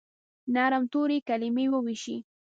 نرم توري، کلیمې وویشي